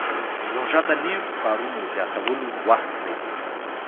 روژه د نیکو کارونو زیاتولو وخت دی.